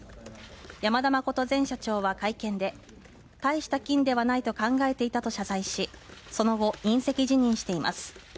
山田真前社長は会見で大した菌ではないと考えていたと謝罪しその後、引責辞任しています。